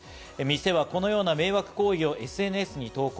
店はこのような迷惑行為をＳＮＳに投稿。